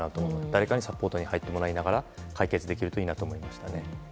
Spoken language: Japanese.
誰かにサポートに入ってもらいながら解決できるといいなと思いました。